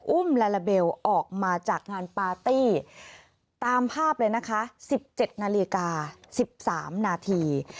ลาลาเบลออกมาจากงานปาร์ตี้ตามภาพเลยนะคะ๑๗นาฬิกา๑๓นาที